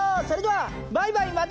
それではバイバイ！